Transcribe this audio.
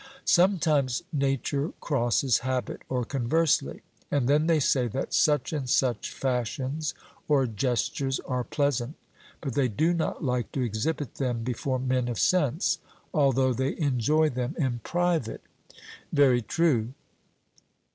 Sometimes nature crosses habit, or conversely, and then they say that such and such fashions or gestures are pleasant, but they do not like to exhibit them before men of sense, although they enjoy them in private. 'Very true.'